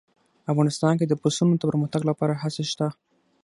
افغانستان کې د پسونو د پرمختګ لپاره هڅې شته.